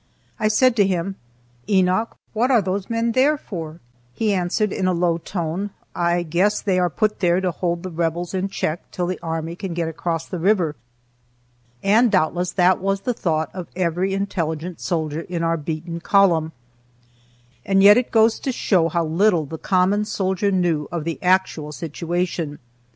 I said to him: "Enoch, what are those men there for?" He answered in a low tone: "I guess they are put there to hold the Rebels in check till the army can get across the river." And doubtless that was the thought of every intelligent soldier in our beaten column. And yet it goes to show how little the common soldier knew of the actual situation.